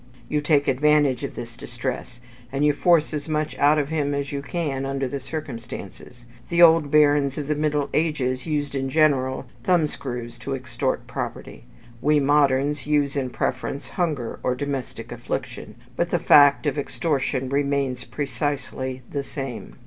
You take advantage of this distress, and you force as much out of him as you can under the circumstances. The old barons of the middle ages used, in general, the thumbscrew to extort property; we moderns use, in preference, hunger or domestic affliction: but the fact of extortion remains precisely the same.